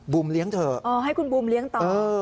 เลี้ยงเถอะให้คุณบูมเลี้ยงต่อ